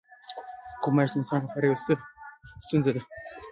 غوماشې د انسان لپاره یوه ستونزه ده.